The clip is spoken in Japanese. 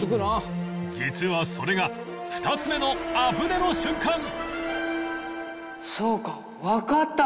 実はそれが２つ目のアプデの瞬間！